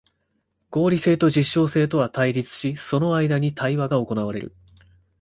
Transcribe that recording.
合理性と実証性とは対立し、その間に対話が行われる。